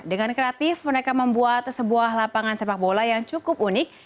dengan kreatif mereka membuat sebuah lapangan sepak bola yang cukup unik